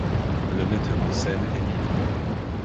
Le metteur en scène est né.